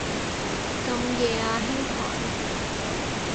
咁夜啊兄台